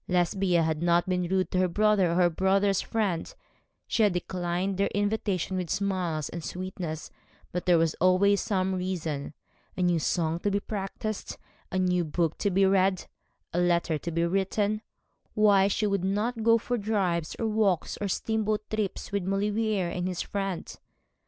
Lesbia had not been rude to her brother or her brother's friend; she had declined their invitations with smiles and sweetness; but there was always some reason a new song to be practised, a new book to be read, a letter to be written why she should not go for drives or walks or steamboat trips with Maulevrier and his friend.